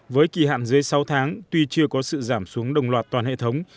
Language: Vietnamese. với kỳ hạn dưới sáu tháng tuy chưa có sự giảm xuống đồng loạt toàn hệ thống